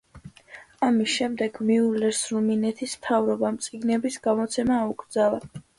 ამის შემდეგ მიულერს რუმინეთის მთავრობამ წიგნების გამოცემა აუკრძალა.